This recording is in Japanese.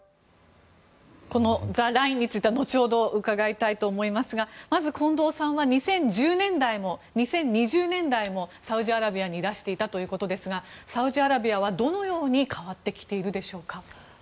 このザ・ラインについては後ほど伺いたいと思いますがまず、近藤さんは２０１０年代も２０２０年代もサウジアラビアにいらしていたということですがサウジアラビアはどのように変わってきているでしょうか？